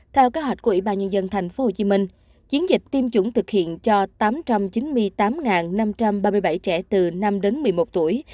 theo kế hoạch của ủy ban nhân dân tp hcm chiến dịch tiêm chủng thực hiện cho tám trăm chín mươi tám năm trăm ba mươi bảy trẻ từ năm đến một mươi một tuổi